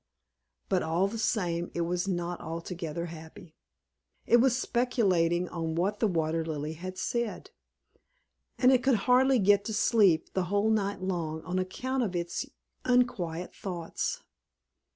But all the same it was not altogether happy. It was speculating on what the Water Lily had said, and it could hardly get to sleep the whole night long on account of its unquiet thoughts.